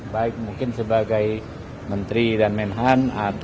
baik mungkin sebagai menteri dan menhan